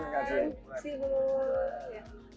terima kasih bu